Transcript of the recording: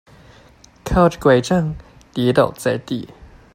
靠著柺杖跌倒在地